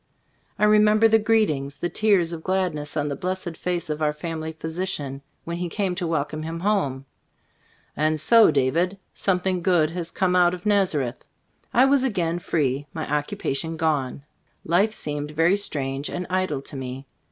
I remember the greetings — the tears of gladness on the blessed face of our family physi cian when he came to welcome him home: "And so, David, something good has come out of Nazareth. ,, 88 Gbe Stoma of A^ CbllfcbooO I was again free ; my occupation gone. Life seemed very strange and idle to me.